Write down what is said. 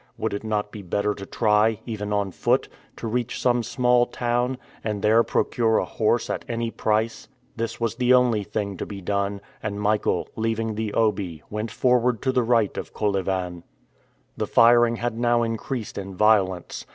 Would it not be better to try, even on foot, to reach some small town, and there procure a horse at any price? This was the only thing to be done; and Michael, leaving the Obi, went forward to the right of Kolyvan. The firing had now increased in violence.